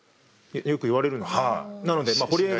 よく言われるんですよ。